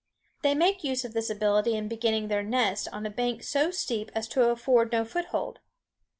They make use of this ability in beginning their nest on a bank so steep as to afford no foothold.